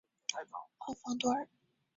奥方多尔。